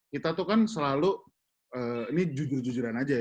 kita tuh kan selalu ini jujur jujuran aja ya